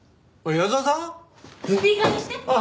矢沢さん？